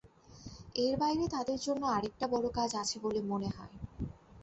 এর বাইরে তাদের জন্য আরেকটা বড় কাজ আছে বলে মনে হয়।